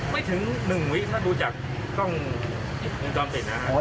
ไม่ถึงหนึ่งวิถ้าดูจากกล้องจอมเสร็จนะฮะ